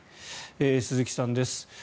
鈴木さんです。